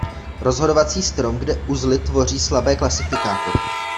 Rozhodovací strom, kde uzly tvoří slabé klasifikátory.